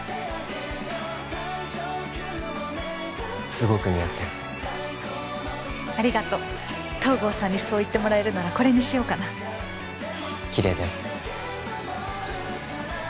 すごく似合ってるありがとう東郷さんにそう言ってもらえるならこれにしようかなキレイだよ